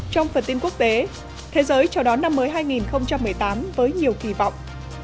trong phần tin quốc tế thế giới chào đón năm mới hai nghìn một mươi tám với nhiều kỳ vọng